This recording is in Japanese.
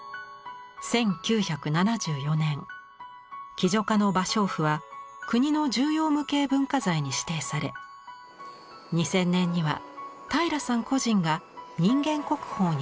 １９７４年喜如嘉の芭蕉布は国の重要無形文化財に指定され２０００年には平良さん個人が人間国宝に認定されました。